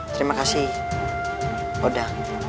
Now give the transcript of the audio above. terima kasih oda